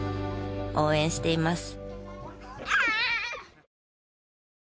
応援しています。